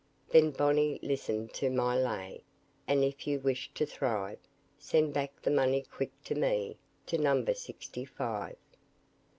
Then, Bonney, listen to my lay, And if you wish to thrive, Send back the money quick to me, To number sixty five.